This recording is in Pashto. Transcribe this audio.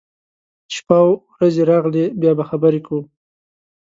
چې شپه او رځې راغلې، بیا به خبرې کوو.